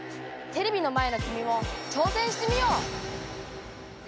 テレビの前のきみも挑戦してみよう！